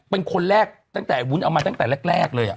เป็นคนแรกตั้งแต่วุ้นเอามาตั้งแต่แรกเลย